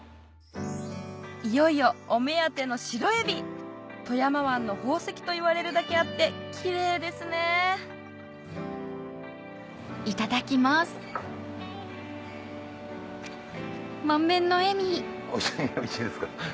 いよいよお目当ての白えび富山湾の宝石といわれるだけあってきれいですねおいしいですか？